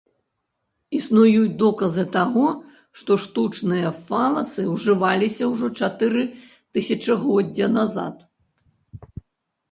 Існуюць доказы таго, што штучныя фаласы ўжываліся ўжо чатыры тысячагоддзя назад.